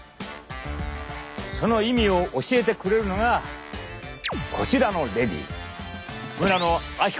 その意味を教えてくれるのがこちらのレディー！